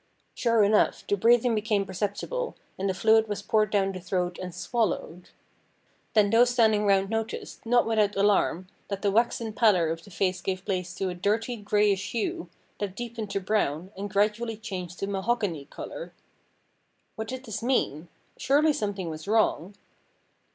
Sure enough the breathing became perceptible, and the fluid was poured down the throat and swalloived. Then those standing round noticed, not without alarm, that the waxen pallor of the face gave place to a dirty, greyish hue, that deepened to brown, and gradually changed to mahogany colour. "What did this mean ? Surely something was wrong